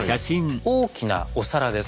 大きなお皿です。